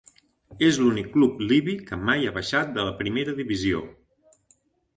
És l'únic club libi que mai ha baixat de la primera divisió.